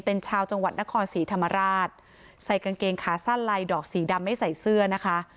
เป็นชาวจังหวัดนครศรีธรรมราชใส่กางเกงขาสั้นลายดอกสีดำไม่ใส่เสื้อนะคะ